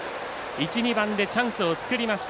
１、２番でチャンスを作りました。